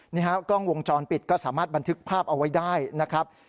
นี่ฮะกล้องวงจรปิดก็สามารถบันทึกภาพเอาไว้ได้นะครับ